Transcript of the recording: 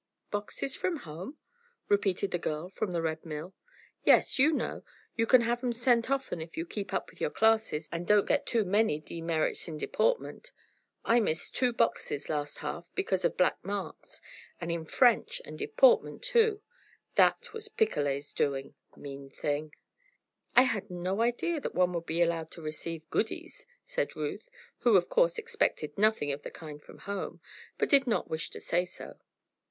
"Boxes from home?" repeated the girl from the Red Mill. "Yes. You know, you can have 'em sent often if you keep up with your classes and don't get too many demerits in deportment. I missed two boxes last half because of black marks. And in French and deportment, too. That was Picolet's doing mean thing!" "I had no idea that one would be allowed to receive goodies," said Ruth, who of course expected nothing of the kind from home, but did not wish to say so.